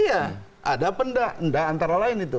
iya ada apa enggak antara lain itu